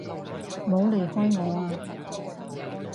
唔好離開我啊！